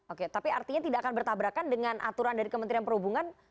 oke tapi artinya tidak akan bertabrakan dengan aturan dari kementerian perhubungan